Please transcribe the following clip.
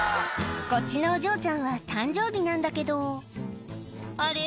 こっちのお嬢ちゃんは誕生日なんだけどあれ？